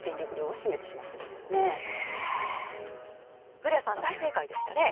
古谷さん、大正解でしたね。